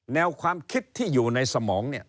แนวความคิดที่อยู่ในสมอง